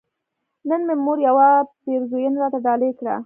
نن مې مور يوه پيرزوينه راته ډالۍ کړه